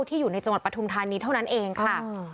อยู่ในจังหวัดปฐุมธานีเท่านั้นเองค่ะ